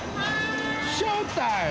ショータイム！